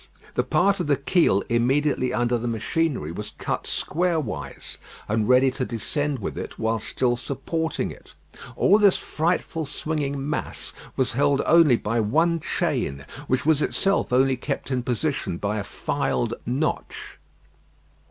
The part of the keel immediately under the machinery was cut squarewise, and ready to descend with it while still supporting it. All this frightful swinging mass was held only by one chain, which was itself only kept in position by a filed notch.